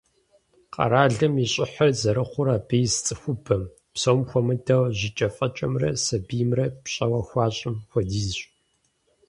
Къэралым и щӀыхьыр зэрыхъур абы ис цӀыхубэм, псом хуэмыдэу, жьыкӏэфэкӏэмрэ сабиймрэ пщӀэуэ хуащӀым хуэдизщ.